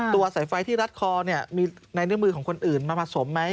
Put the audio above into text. สายไฟที่รัดคอมีในเนื้อมือของคนอื่นมาผสมไหม